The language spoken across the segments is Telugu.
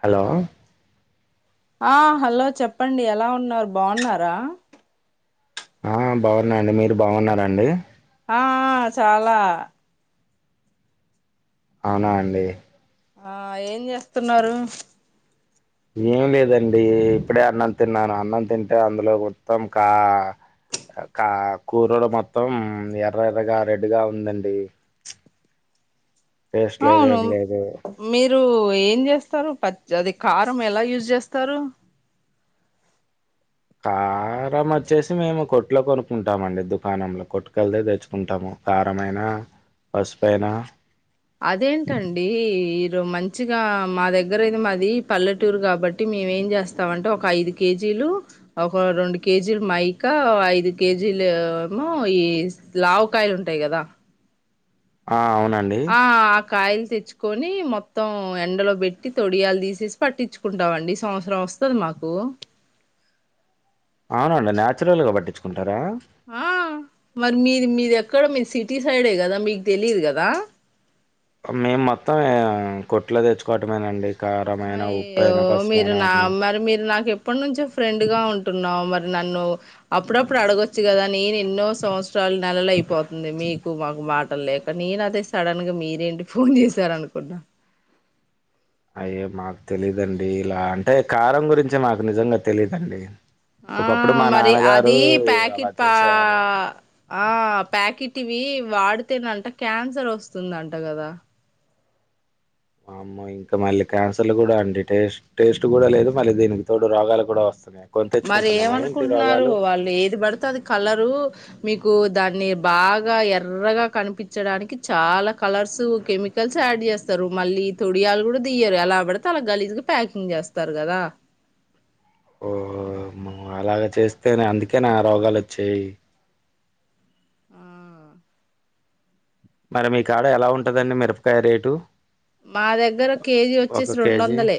హలో ఆ హలో చెప్పండి ఎలా ఉన్నారు బాగున్నారా ఆ బాగున్నాండి మీరు బాగున్నారండి ఆ చాలా అవునా అండి ఆ ఏం చేస్తున్నారు ఏం లేదండి ఇప్పుడే అన్నం తిన్నాను అన్నం తింటే అందులో మొత్తం కా కా కూరడు మొత్తం ఎర్ర ఎర్రగా రెడ్గా ఉందండి టేస్ట్ లేదు అవును ఏం లేదు మీరు మీరు ఏం చేస్తారు ప అది కారం ఎలా యూజ్ చేస్తారు కారం వచ్చేసి మేము కొట్లో కొనుక్కుంటామ అండి దుకాణంలో కొట్టుకుెళ్తే తెచ్చుకుంటాము కారంమయినా పసు అయినా అదేంటండి ఈరో మంచిగా మా దగ్గరయితే మాది పల్లెటూరు కాబట్టి మేము ఏం చేస్తామంటే ఒక ఐదు కేజీలు ఒక రెండు కేజీలు మైకా ఐదు కేజీలు ఏమో ఈ లావకాయలు ఉంటాయి కదా ఆ అవును ఆ ఆకాయి తెచ్చుకొని మొత్తం ఎండలో పెట్టి తొడియాలు తీసేసి పట్టించుకుంటామండి సంవత్సరం వస్తుంది మాకు అవునండి నేచురల్గా పట్టించుకునీ ఆ మరి మీది మీది ఎక్కడ మీరు సిట్ టి సైడే కదా మీకు తెలీదు కదా మేము మొత్తం కోట్లో తెచ్చుకోవటమేనండి కారమైన అయ్యో ఉప్పైన మీరు పసుపైన నా అన్ని మరి మీరు నాకు ఎప్పటి నుంచో ఫ్రెండ్ గా ఉంటున్నాం మరి నన్ను అప్పుడప్పుడు అడగచ్చు కదా నేను ఎన్నో సంవత్సరాల నెలలు అయిపోతుంది మీకు మాకు మాటలు లేక నేను అదతే సడన్ గా మీరేంటి ఫోన్ చేశారనుకున్నా అయ్యే మాకు తెలీదండి ఇలా అంటే కారం గురించి మాకు నిజంగా తెలీదండి ఆ ఒకప్పుడు మా మరి నాన్నగారు అది అలా ప్యాకెట్ పా చేసేవారు. ఆ ప్యాకెట్ ఇవి వాడు తేదంట క్యాన్సర్ వస్తుందంట కదా అమ్మ ఇంకా మళ్ళీ క్యాన్సర్లు కూడా అండి టేస్ట్ టేస్ట్ కూడా లేదు మళ్ళీ దీనికి తోడు రోగాలు కూడా వస్తున్నాయి కొని మరి తెచ్చుకుంటున్నామా ఏంటి ఏమనుకుంటున్నారు రోగాలు వాళ్ళు ఏది పడుతే అది కలరు మీకు దాన్ని బాగా ఎర్రగా కనిపించడానికి చాలా కలర్స్ కెమికల్స్ యాడ్ చేస్తారు మళ్ళీ తొడియాలు కూడా దియరు ఎలా పడితే అలా గలీజ్గా ప్యాకింగ్ చేస్తారు కదా ఓహ అలాగ చేస్తేనే అందుకే నా రోగాలు వచ్చాయి ఆ, మరి మీ కాడ ఎలా ఉంటదండి మిరపకాయ రేటు మా దగ్గర కేజీ ఒక వచ్చేసి రెండు కేజీ వందలే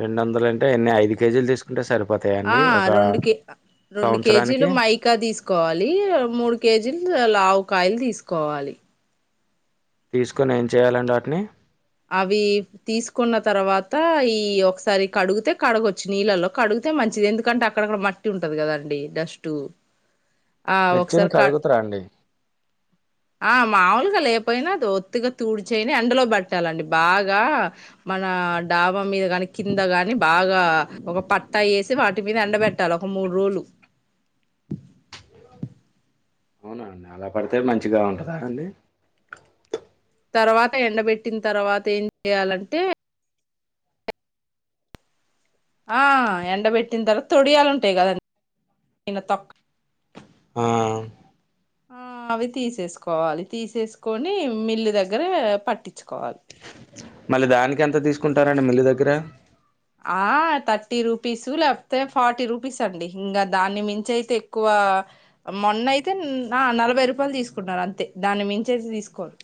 రెండు వందలు అంటే ఎన్ని ఐదు కేజీలు తీసుకుంటె సార్ ఆ రెండు కే రెండు సంవత్సరానికి కేజీలు మైకా తీసుకోవాలి మూడు కేజీలు లావుకాయలు తీస్ సుకోవాలి తీసుకొని ఏం చేయ్యాలండి వాటిని అవి తీసుకున్న తర్వాత ఈ ఒకసారి కడుగితే కడగొచ్చు నీళ్ళలో కడుగితే మంచిది ఎందుకంటే అక్కడక్కడ మట్టి ఉంటది కదండి డస్ట్ ఆ మిర్చిని ఒకసారి కా కడుగుతారా అండి ఆ మాముూలు లేకపోయినా అది ఒత్తుగా తూడ్చయిని ఎండలో బట్ ట్టాలండి బాగా మన డాబా మీద కానీ కింద కాగాని బాగా ఒక పట్టా ఏస్ వాటి మీద ఎండబెట్టాలి ఒక మూడు రోజులు అవునా అండి అలా పడితే మంచిగా ఉంటుదా అండి తర్వాత ఎండబెట్టిన తర్వాత ఏం చెయాలంటే ఆ ఎండబెట్టిన తర్వాత ఒడియాలు ఉంటాయి కదండి తొక్ ఆ ఆ అవి తీసేసుకోవాలి తీసేసుకొని మిల్లు దగ్గర పట్టి కాద్ మళ్ళీ దానికి ఎంత తీసుకుంటారండి మిల్లు దగ్గర ఆ థర్టీ రూపీస్ లేకపోతే ఫార్టీ రూపీస్ అండి ఇంక దాన్ని మించి అయితే ఎక్కువ మొన్న అయితే నలభై రూపాయలు తీసుకున్నారు అంతే దాని మించి అయితే తీసుకోరు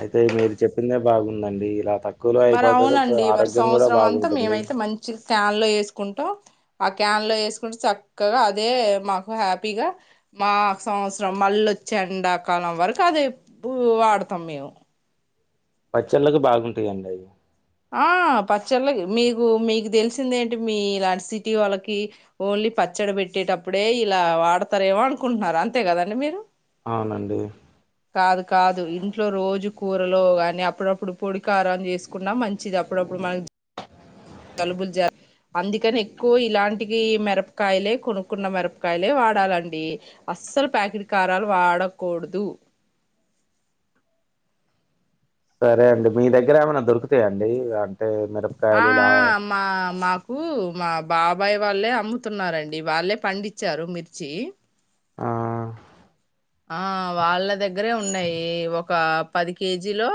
అయితే మీరు చెప్పిందే బాగుందండి ఇలా తక్కువలో మరి అయిపోతది అవునండి మరి ఆరోగ్యం గుడా సంవత్సరం అంతా బాగుంటుంది మేమైతే మంచి క్యాన్ లో ఏసుకుంటాం ఆ క్యాన్ లో వేసుకుంటూ చక్కగా అదే మాకు హ్యాపీగా మా సంవత్సరం మళ్ళీ వచ్చే ఎండాకాలం వరకు అదే వాడతాం మేము పచ్చళ్ళకి బాగుంటాయండి అవి పచ్చళ్ళకి మీకు మీకు తెలిసిందేంటి మీ ఇలాంటి సిటీ వాళ్ళకి ఓన్లీ పచ్చడి పెట్టేటప్పుడే ఇలా వాడతారేమో అనుకుంటున్నారు అంతే కదండి మీరు అవునండి కాదు కాదు ఇంట్లో రోజు కూరలో గానీ అప్పుడప్పుడు పొడికారం చేసుకున్న మంచి చ్చిది అప్పుడప్పుడు మనం జలుబు అందుకని ఎక్కువ ఇలాంటి మిరపకాయలే కొనుక్కున్న మిరపకాయలే వాడాలండి అస్సలు ప్యాకెట్ కారాలు వాడకూడదు సరే అండి మీ దగ్గర ఏమైనా దొరుకుతాయండి ఆ ఆ ఆ మా మాకు మా బా అబ్బాయి వాళ్ళే అమ్ముతున్నారండి వాళ్ళే పండించారు మిర్చి ఆ ఆ వాళ్ళ దగ్గరే ఉన్నాయి ఒక పది కేజీలో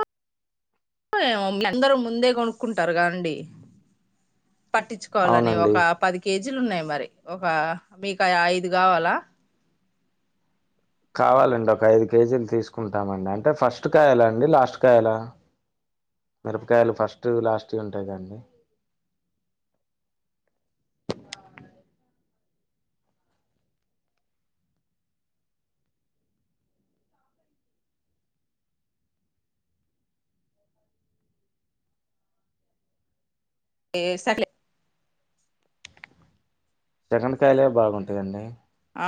అందరు ముందే కొనుక్కుంటారు కదండి పట్టించుకోవాలని అవునండి. ఒక పది కేజీ జ్ లున్నాయి మరి ఒక మీకు ఐదు కావాలా కావాలండి ఒక ఐదు కేజీలు తీసుకుంటామండి అంటే ఫస్ట్ కాయలా అండి లాస్ట్ కాయలా మిరపకాయలు ఫస్ట్ లాస్ట్ ఉంటయ్ కదండి ఏ డ్ సకలే సెకండ్ కాయలే బాగుంటయండి ఆ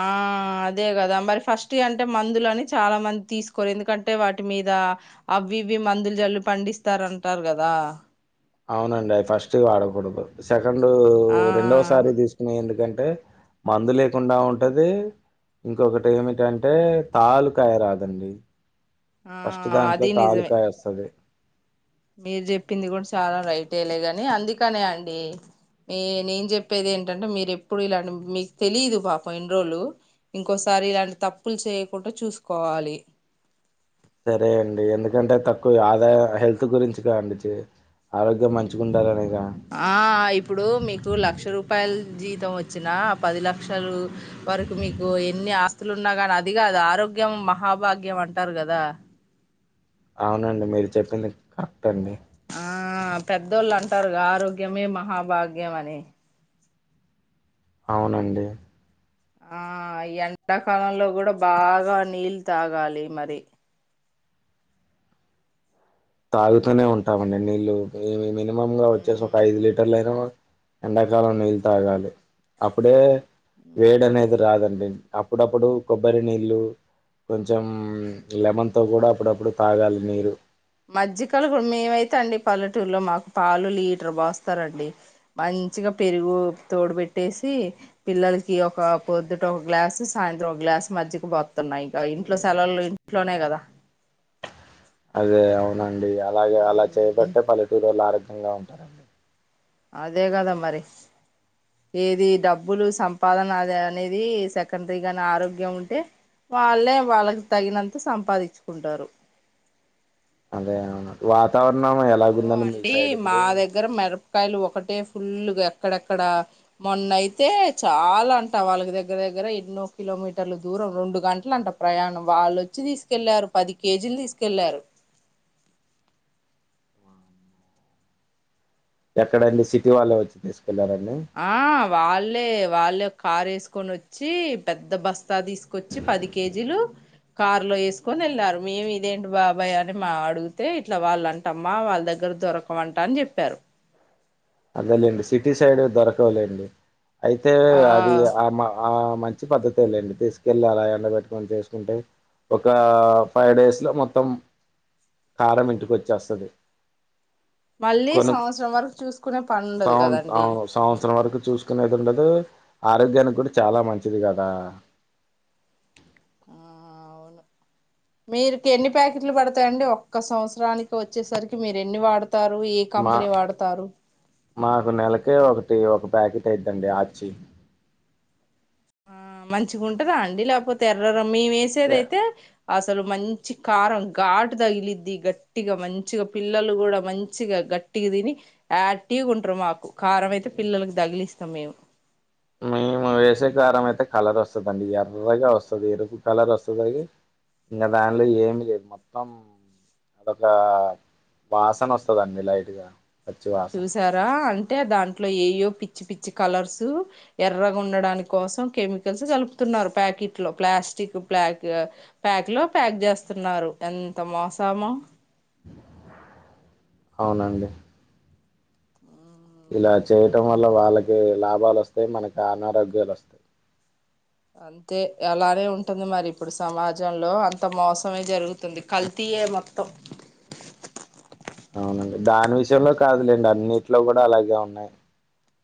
అదే కదా మరి ఫస్ట్ అంటే మందులు అని చాలా మంది తీసుకోరు ఎందుకంటే వాటి మీద అవి ఇవి మందులు జల్లు పండిస్తారంటారు కదా అవునండివి అవి ఫస్ట్ వాడకూడదు స రెండూ ఆ రెండోసారి తీసుకునే ఎందుకంటే అంటే మందు లేకుండా ఉంటది ఇంకొకటి ఏమిటంటే తాలుకాయ రాదండి ఆ ఫస్ట్ దాంట్లో అది నిజమే తాలుకాయ వస్తది మీరు చెప్పింది కూడా చాలా రైటెలే గాని అందుకనే అండి నేను చెప్పేది ఏంటంటే మీరు ఎప్పుడు ఇల మీకు తెలిదు పాపం ఇన్ని రోజులు ఇంకోసారి ఇలాంటి తప్పులు చేయకుండా చూసుకోవాలి సరే అండి ఎందుకంటే తక్కువ ఆదాయ హెల్త్ గురించి కానిచ్చి ఆరోగ్యం మంచిగా ఉండాలనేసి ఆ ఇప్పుడు మీకు లక్ష రూపాయల్ జీతం వచ్చినా పది లక్షలు వరకు మీకు ఎన్ని ఆస్తులున్నా కాని అదికాద్ ఆరోగ్యం మహాభాగ్యం అంటారు కదా అవునండి మీరు చెప్పింది కరెక్ట్ అండి ఆ పెద్దోళ్ళు అంటారు గా ఆరోగ్యమే మహాభాగ్యం అని అవునండి ఆ ఈ ఎండాకాలంలో కూడా బాగా నీళ్ళు తాగాలి మరి తాగుతూనే ఉంటామండి నీళ్ళలు ఉమ్ యంమం లో వచ్చేసి ఒక ఐదు ఉమ్ లీటర్లు అయిన ఎండాకాలం నీళ్ు తాగాలి అప్పుడే వేడి అనేది రాదు అప్పుడప్పుడు కొబ్బరి నీళ్ళు కొంచెం లెమన్ తో కూడా అప్పుడప్పుడు తాగాలి నీరు మజ్జిికలు కూడా మేమైతే అండి పల్లెటూలో మాకు పాలు లీటర్ పోాస్తారండి మంచిగా పెరుగు తోడు పెట్టేసి పిల్లలకి ఒక పొద్దుట ఒక గ్లాసు సాయంత్రం ఒక గ్లాసు మజ్జిగ పోస్తున్నాయి ఇంక ఇంట్లో సెలవులు ఇంట్లోనే కదా అదే అవున్ అండి అలాగే అలా మ్మ్ చేయబట్టే పల్లెటూరు వొళ్ళు ఆరోగ్యంగ్ ంగా ఉంటారండి అదే కదా మరి ఏది డబ్బులు సంపాదన అది అనేది సెకండరీగానే ఆరోగ్యం ఉంటే వాళ్ళే వాళ్ళకి తగినంత సంపాదించుకుంటారు అదే అవును వాక్ ఓ అండి మా దగ్గర మిరపకాయలు ఒకటే ఫుల్గా అక్కడక్కడ మొన్న అయితే చాలా అంట వాళ్ళకి దగ్గర దగ్గర ఎన్నో కిలోమీటర్లు దూరం రెండు గంటలుంట ప్రయాణం వాళ్ళుొచ్చి తీసుకెళ్ళారు పది కేజీలు తీసుకెళ్ళారు ఎక్కడండి సిటీ వాళ్ళ వచ్చి తీసుకో ఆ వాళ్ళే వాళ్ళు కార్ వేసుకొని వచ్చి పెద్ద బస్తా తీసుకొచ్చి పది కేజీలు కార్ లో వేసుకొని వెళ్ళారు మేము ఇదేంటి బాబాయ్ అని మా అడిగితే ఇట్లా వాళ్ళు అంటమ్మా వాళ్ళ దగ్గర దొరకమంట అని చెప్పారు అదేలేండి సిటీ సైడ్ దొరకవలేండి అయితే ఆ అది ఆ మా ఆ మంచి పద్ధతి లేండి తీసుకెళ్ళి అలా ఎండ పెెట్టుకని తీసుకుంటే ఒక ఫైవ్ డేస్లో మొత్తం కారం ఇంటికి వచ్చేస్తది మళ్ళీ సంవత్సరం వరకు చూసుకునే పని ఉండదు సం కదండి అవును సంవత్సరం వరకు చూసుకునేకుండా అ ఆరోగ్యానికి కూడా చాలా మంచిది కదా ఆ అవును మీరుకి ఎన్ని ప్యాకెట్లు పడతాయండి ఒక్క సంవత్సరానికి వచ్చేసరికి మీరు ఎన్ని వాడతర్ మా మాకు నెలకే ఒకటి ఒక ప్యాకెట్ అయిద్దండి ఆచి ఆ మంచిగా ఉంటదా అండి లేకపోతే ఎర్ర రంగ్ మేము ఎ వేసేదైతే అసలు మంచి కారం ఘాటు తగిలిద్ది గట్టిగా మంచిగా పిల్లలు కూడా మంచిగా గట్టిగా తిని యాక్టివ్గా ఉంటారు మాకు కారం అయితే పిల్లకి తగిలిస్తాం మేము మేము వేసే కారం అయితే కలర్ వస్తుందండి ఎర్రగా వస్తుంది ఎరుపు కలర్ వస్తుంది ఇంకా దానిలో ఏమి లేదు మొత్తం అదొక వాసన వస్తుదండి లైట్గా చూసారా అంత్ అంటే దాంట్లో ఏయో పిచ్చి పిచ్చి కలర్సు ఎర్రగా ఉండడా కోసం కెమికల్స్ కలుపుతున్నారు ప్యాకెట్ లో ప్లాస్టిక్ పక్ ప్యాక్ లో ప్యాక్ చేస్తున్నారు ఎంత మోసామో అవునండి ఇలా చేయటం వల్ల వాళ్ళకి లాభాలు వస్తాయి మనకి అనారోగ్యాలు వస్తాయి అంతే అలానే ఉంటుంది మరి ఇప్పుడు సమాజంలో అంత మోసమే జరుగుతుంది కల్తీయే మొత్తం అవునండి దాని విషయంలో కాదులేండి అన్నిట్లో కూడా అలాగే ఉన్నాయి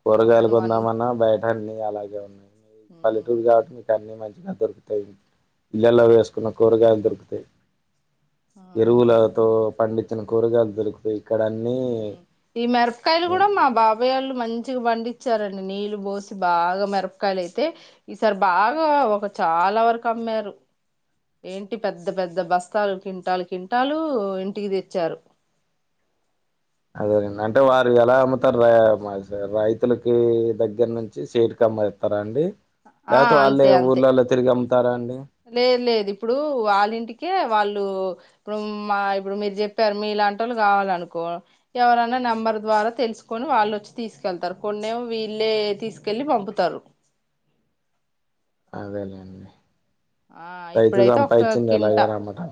కూరగాయలు అవును అన్ కొందామన్నా బయట అన్ని అలాగే ఉన్నాయి పలెటూరు ఉమ్, గ మీ కనీ మంచ్ దొరుకుతయి ఇళ్లల్లో వేసుకున్న కూరగాయలు దొరుకుతయి ఆ ఎరువులతో పండి చిన కూరగాయలు దొరుకుతాయి ఇక్కడ అన్నీ ఈ మిరపకాయలు ఆ! కూడా మా బాబయ్యోళ్ళు మంచిగా పండిచ్చారండి నీళ్ళు పోసి బాగా మిరపకాయలు అయితే ఈసారి బాగా ఒక చాలా వరకు అమ్మారు ఏంటి పెద్ద పెద్ద బస్తాలు కింటాలు కింటాలు ఇంటికి తెచ్చారు అదేనండి అంటే వారు ఎలా అమ్ముతారు రైతులకి దగ్గర నుంచి సేటుకి అమ్మేత్తరా అండి ఆ యాతో ఆళ్ళే అంతే అంతే ఊర్లలో తిరిగి అమ్ ఇత్తారా అండి లేదు లేదు ఇప్పుడు వాళ్ళ ఇంటికే వాళ్ళు ఇప్పుడు మా ఇప్పుడు మీరు చెప్పారు మీలాంటోళ్ళు కావాలనుకో ఎవరన్నా హ్మ్. నెంబర్ ద్వారా తెలుసుకొని వాళ్ళు వచ్చి తీసుకెళ్తారు కొన్నేమో వీళ్ళే తీసుకెళ్ళి పంపుతారు అదేలేండి ఆ రైతు ఇప్పుడైతే ఒక సంపాయిచ్చింది కింట ఎలాగైనా అమ్మటం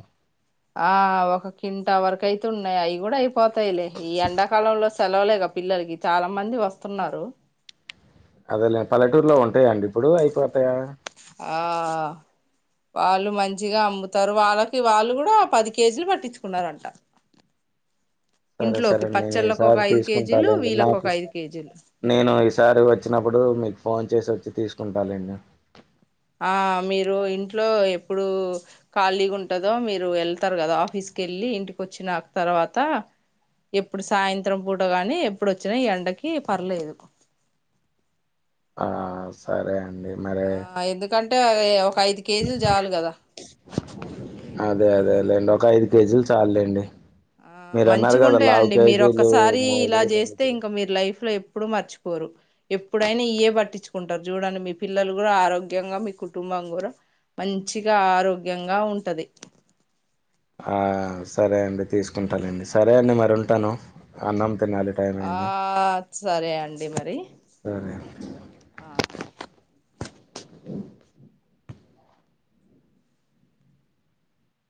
ఆ ఒక కింట వరకు అయితే ఉన్నాయి అయి కూడా అయిపోతయిలే ఈ ఎండాకాలంలో సెలవులేగా పిల్లలకి చాలా మంది వస్తున్నారు అదేలే పల్లెటూరులో ఉంటాయాండి ఇప్పుడు అయిపోతాయా ఆ వాళ్ళు మంచిగా అమ్ముతారు వాళ్ళకి వాళ్ళు కూడా పది కేజీలు పట్టించుకున్నారంట సరే సరే ఇంట్లోకి అండి నేను ఈ పచ్చళ్ళకు ఒక సారి ఐదు కేజీలు తీసుకుంటాలెండి వీళ్ళకు ఒక నాకు ఐదు కేజీలు నేను ఈసారి వచ్చినప్పుడు మీకు ఫోన్ చేసి వచ్చి తీసుకుంటాలెండి ఆ మీరు ఇంట్లో ఎప్పుడు ఖాళీగా ఉంటదో మీరు వెళ్తరు కదా ఆఫీస్కి వెళ్ళి ఇంటికొచ్చిన తర్వాత ఎప్పుడు సాయంత్రం పూట గాని ఎప్పుడొచ్చినా ఎండకి పర్లేదు ఆ సరే అండి. మరి ఆ ఎందుకంటే ఎ ఒక ఐదు కేజీలు చాలు కదా అదే అదేలేండి. ఒక ఐదు కేజీలు చాలులేండి ఆ మీరన్నారు కదా! లావు మంచిగుంటయండి మీరు కేజీలు ఒక్కసారి ఇలా చేస్తే కే ఇంకా మీరు లైఫ్ లో ఎప్పుడు మర్చిపోరు ఎప్పుడైనా ఇయే పట్టించుకుంటరు చూడండి మీ పిల్లలు కూడా ఆరోగ్యంగా మీ కుటుంబం కూడా మంచిగా ఆరోగ్యంగా ఉంటది ఆ సరే అండి తీసుకుంటాలెండి సరే అండి మరి ఉంటాను అన్నం తినాలి టైం ఆ అయింది సరే అండి మరి సరే ఆ అ